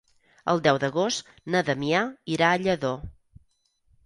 El deu d'agost na Damià irà a Lladó.